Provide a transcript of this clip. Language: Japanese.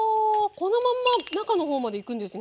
このまんま中の方までいくんですね。